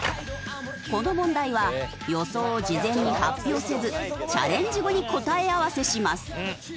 この問題は予想を事前に発表せずチャレンジ後に答え合わせします。